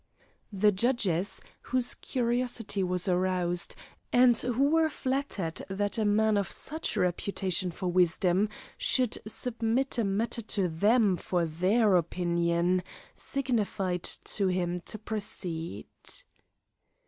The judges, whose curiosity was aroused, and who were flattered that a man of such reputation for wisdom should submit a matter to them for their opinion, signified to him to proceed.